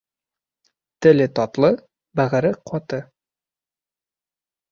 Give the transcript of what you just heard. Теле татлы, бәғере каты.